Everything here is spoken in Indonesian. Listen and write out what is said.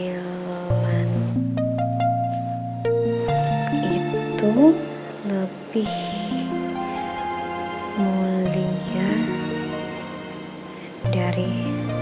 emang disambung piar tulang luxuryiben